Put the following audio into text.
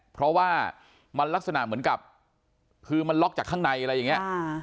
เพราะว่ามันลักษณะเหมือนกับคือมันล็อกจากข้างในอะไรอย่างนี้